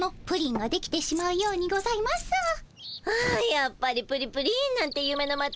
やっぱりプリプリンなんてゆめのまたゆめ。